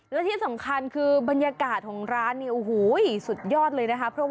และที่สำคัญคือบรรยากาศของร้านเนี่ยโอ้โหสุดยอดเลยนะคะ